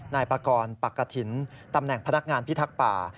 นายปากรปักกะถิ่นตำแหน่งพนักงานพิทักษ์ป่า